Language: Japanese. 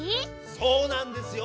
そうなんですよ！